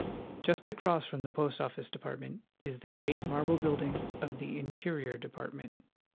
Just across from the Post Office Department is the great marble building of the Interior Department.